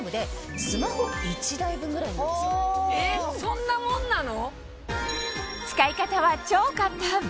そんなもんなの？